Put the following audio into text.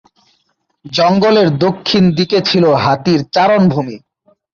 জঙ্গলের দক্ষিণ দিকে ছিল হাতির চারণভূমি।